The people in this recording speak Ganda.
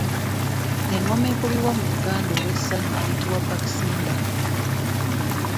Engoma ekubibwa mu Buganda olw’essanyu eyitibwa Baakisimba.